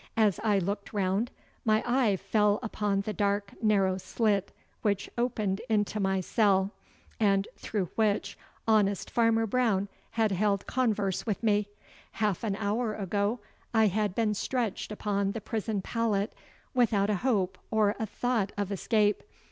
As I looked round, my eye fell upon the dark narrow slit which opened into my cell, and through which honest Farmer Brown had held converse with me. Half an hour ago I had been stretched upon the prison pallet without a hope or a thought of escape.